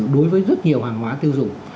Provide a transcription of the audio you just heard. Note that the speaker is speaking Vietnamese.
đối với rất nhiều hàng hóa tiêu dụng